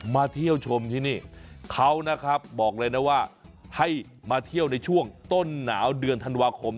เที่ยวชมที่นี่เขานะครับบอกเลยนะว่าให้มาเที่ยวในช่วงต้นหนาวเดือนธันวาคม